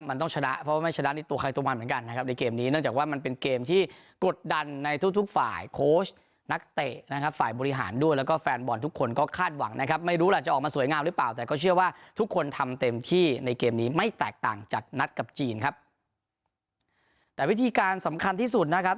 มันต้องชนะเพราะไม่ชนะในตัวใครตัวมันเหมือนกันนะครับในเกมนี้เนื่องจากว่ามันเป็นเกมที่กดดันในทุกทุกฝ่ายโค้ชนักเตะนะครับฝ่ายบริหารด้วยแล้วก็แฟนบอลทุกคนก็คาดหวังนะครับไม่รู้ล่ะจะออกมาสวยงามหรือเปล่าแต่ก็เชื่อว่าทุกคนทำเต็มที่ในเกมนี้ไม่แตกต่างจากนัดกับจีนครับแต่วิธีการสำคัญที่สุดนะครับ